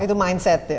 itu mindset ya